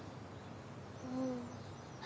うん。